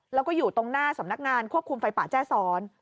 แล้วก็อยู่ตรงหน้าสำนักงานควบคุมไฟป่าแจ้ซ้อน